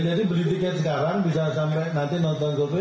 jadi beli tiket sekarang bisa sampai nanti nonton coldplay